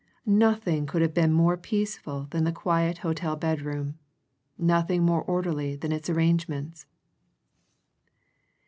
Nothing could have been more peaceful than that quiet hotel bedroom; nothing more orderly than its arrangements.